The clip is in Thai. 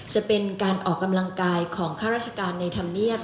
จะเป็นการออกกำลังกายของข้าราชการในธรรมเนียบ